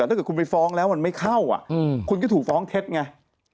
ถ้าเกิดคุณไปฟ้องแล้วมันไม่เข้าคุณก็ถูกฟ้องเท็จไง